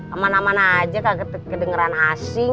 aman aman aja kak kedengeran asing